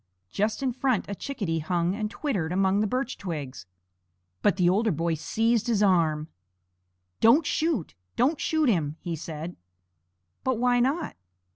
Just in front a chickadee hung and twittered among the birch twigs. But the older boy seized his arm. "Don't shoot don't shoot him!" he said. "But why not?"